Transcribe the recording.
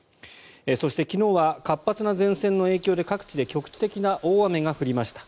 そして、昨日は活発な前線の影響で各地で局地的な大雨が降りました。